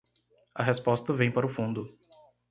A resposta vem para o fundo